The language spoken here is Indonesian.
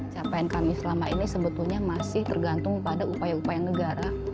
capaian kami selama ini sebetulnya masih tergantung pada upaya upaya negara